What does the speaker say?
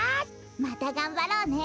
またがんばろうね。